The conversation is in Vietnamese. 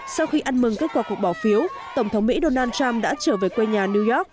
sau khi ăn mừng kết quả cuộc bỏ phiếu tổng thống mỹ donald trump đã trở về quê nhà new york